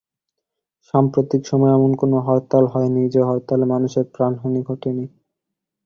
সাম্প্রতিক সময়ে এমন কোনো হরতাল হয়নি যে হরতালে মানুষের প্রাণহানি ঘটেনি।